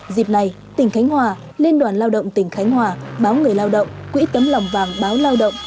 dịp này tỉnh khánh hòa liên đoàn lao động tỉnh khánh hòa báo người lao động quỹ tấm lòng vàng báo lao động